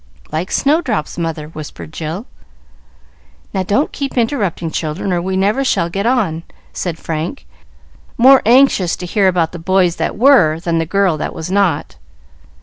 "Like Snowdrop's mother," whispered Jill. "Now, don't keep interrupting, children, or we never shall get on," said Frank, more anxious to hear about the boys that were than the girl that was not.